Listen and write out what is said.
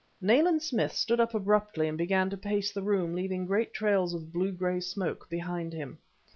Nayland Smith stood up abruptly and began to pace the room, leaving great trails of blue gray smoke behind him.